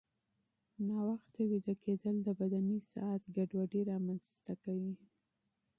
ناوخته ویده کېدل د بدني ساعت ګډوډي رامنځته کوي.